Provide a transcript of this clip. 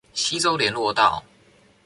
溪州連絡道